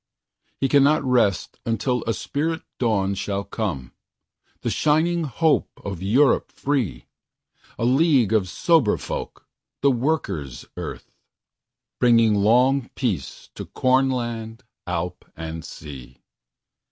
He cannot rest until a spirit dawnShall come;—the shining hope of Europe free:A league of sober folk, the Workers' Earth, Bringing long peace to Cornland, Alp and Sea.